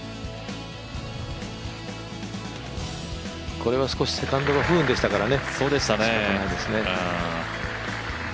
これは少しセカンドが不運でしたからね、しかたないですね。